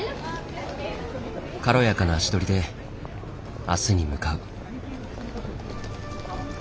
軽やかな足取りで明日に向かう。